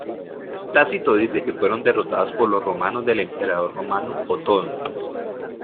Tácito dice que fueron derrotados por los romanos del emperador romano Otón.